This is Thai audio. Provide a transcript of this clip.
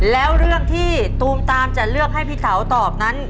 แล้วเรื่องที่ตูมตามจะเลือกให้พี่เต๋าตอบนั้น